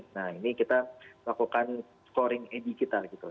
nah ini kita melakukan scoring id kita gitu